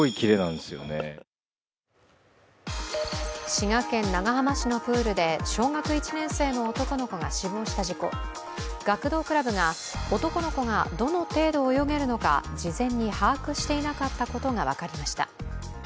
滋賀県長浜市のプールで小学１年生の男の子が死亡した事故学童クラブが男の子がどの程度泳げるのか事前に把握していなかったことが分かりました。